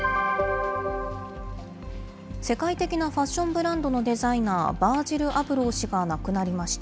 世界的なファッションブランドのデザイナー、バージル・アブロー氏が亡くなりました。